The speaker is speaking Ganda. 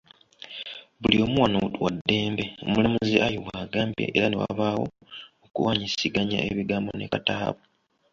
“Buli omu wano wa ddembe,” Omulamuzi Ayo bw’agambye era ne wabaawo okuwanyisiganya ebigambo ne Kataabu.